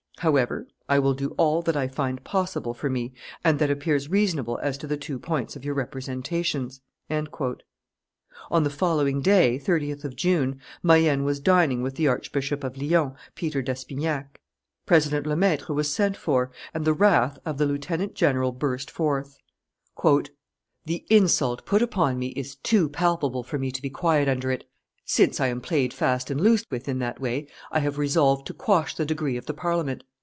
However, I will do all that I find possible for me and that appears reasonable as to the two points of your representations." On the following day, 30th of June, Mayenne was dining with the Archbishop of Lyons, Peter d'Espinac; President Lemaitre was sent for, and the wrath of the lieutenant general burst forth. "The insult put upon me is too palpable for me to be quiet under it; since I am played fast and loose with in that way, I have resolved to quash the decree of the Parliament.